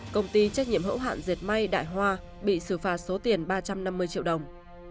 công ty trách nhiệm hữu hạn dệt may đại hoa bị xử phạt số tiền ba trăm năm mươi triệu đồng